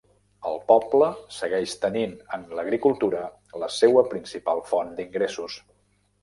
El poble segueix tenint en l'agricultura la seua principal font d'ingressos.